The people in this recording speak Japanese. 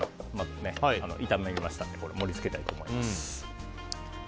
全体が炒まりましたので盛り付けたいと思います。